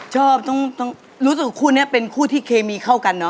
ชอบต้องรู้สึกว่าคู่นี้เป็นคู่ที่เคมีเข้ากันเนอ